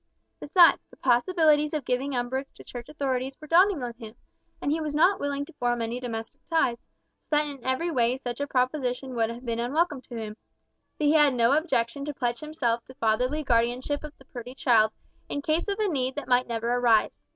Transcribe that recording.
Besides, the possibilities of giving umbrage to Church authorities were dawning on him, and he was not willing to form any domestic ties, so that in every way such a proposition would have been unwelcome to him. But he had no objection to pledge himself to fatherly guardianship of the pretty child in case of a need that might never arise.